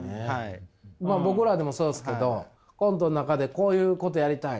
まあ僕らでもそうですけどコントの中でこういうことやりたい。